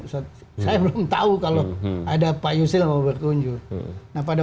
saya belum tahu kalau ada pak yusil mau berkunjung